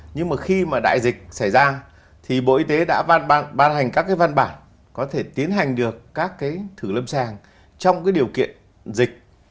nhưng khi đại dịch xảy ra thì bộ y tế đã ban hành các văn bản có thể tiến hành được các thử lâm sàng trong điều kiện dịch